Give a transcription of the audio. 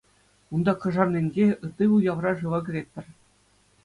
Унта Кӑшарнинче, ытти уявра шыва кӗретпӗр.